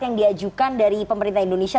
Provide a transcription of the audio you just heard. yang diajukan dari pemerintah indonesia